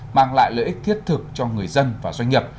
mang lại lợi ích thiết thực cho người dân và doanh nghiệp